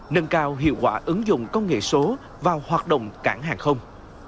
nâng cao hiệu quả ứng dụng công nghệ số vào hoạt động cảng hàng không